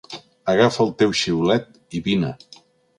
Agafa el teu xiulet i vine !